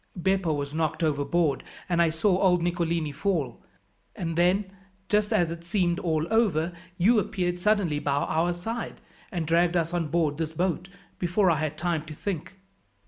Beppo was knocked overboard, and I saw old Nicolini fall; and then, just as it seemed all over, you appeared suddenly by our side, and dragged us on board this boat before I had time to think."